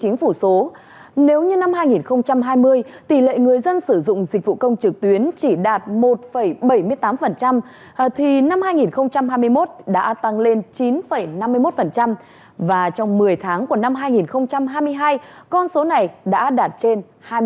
nếu như năm hai nghìn hai mươi tỷ lệ người dân sử dụng dịch vụ công trực tuyến chỉ đạt một bảy mươi tám thì năm hai nghìn hai mươi một đã tăng lên chín năm mươi một và trong một mươi tháng của năm hai nghìn hai mươi hai con số này đã đạt trên hai mươi